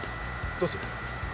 どうする？